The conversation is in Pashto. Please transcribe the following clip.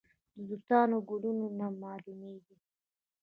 د توتانو ګلونه نه معلومیږي؟